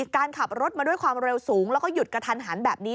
การขับรถมาด้วยความเร็วสูงแล้วก็หยุดกระทันหันแบบนี้